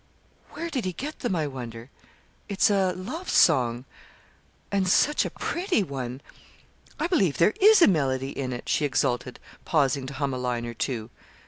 Where did he get them, I wonder? It's a love song and such a pretty one! I believe there is a melody in it," she exulted, pausing to hum a line or two.